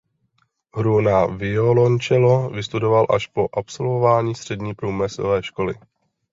Hru na violoncello vystudoval až po absolvování střední průmyslové školy.